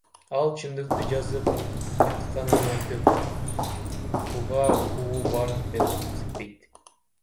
Ал чындыкты жазып жатканын айтып, буга укугу бар деп эсептейт.